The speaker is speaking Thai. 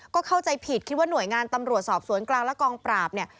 ก็เข้าใจผิดคิดว่าหน่วยงานตำรวจสอบสวนกลางและกองปราบเนี่ย